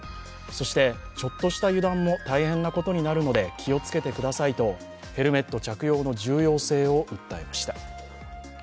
そして、ちょっとした油断も大変なことになるので、気をつけてくださいと、ヘルメット着用の重要性を訴えました。